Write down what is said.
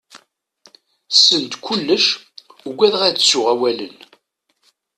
Send kullec, ugadaɣ ad ttuɣ awalen.